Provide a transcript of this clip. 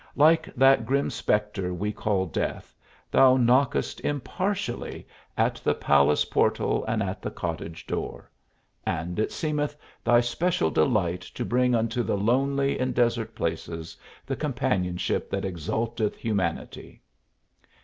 Like that grim spectre we call death, thou knockest impartially at the palace portal and at the cottage door. And it seemeth thy especial delight to bring unto the lonely in desert places the companionship that exalteth humanity!